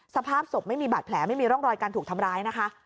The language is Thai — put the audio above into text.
สภาพศพไม่มีบาดแผลไม่มีร่องรอยการถูกทำร้ายนะคะ